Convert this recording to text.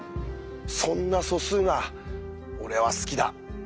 そんな素数が俺は好きだ。